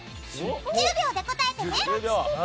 １０秒で答えてね！